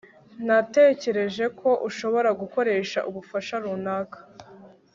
Natekereje ko ushobora gukoresha ubufasha runaka